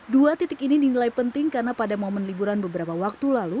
dua titik ini dinilai penting karena pada momen liburan beberapa waktu lalu